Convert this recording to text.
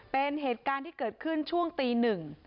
เป็นเหตุการณ์ที่เกิดขึ้นช่วงตีหนึ่ง